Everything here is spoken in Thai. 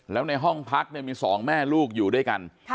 แล้วในห้องพักมี๒แม่ลูกอยู่ด้วยกัน